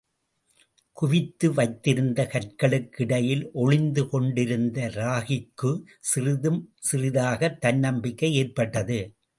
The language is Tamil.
குவித்து வைத்திருந்த கற்களுக்கு இடையில் ஒளிந்து கொண்டிருந்த ராகிக்கு சிறிது சிறிதாகத் தன்னம்பிக்கை ஏற்பட்டது.